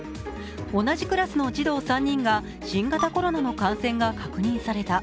同じクラスの児童３人が新型コロナの感染が確認された。